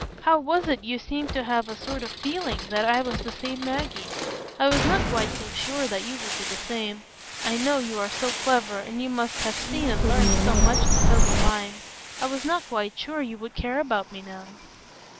How was it you seemed to have a sort of feeling that I was the same Maggie? I was not quite so sure that you would be the same; I know you are so clever, and you must have seen and learnt so much to fill your mind; I was not quite sure you would care about me now."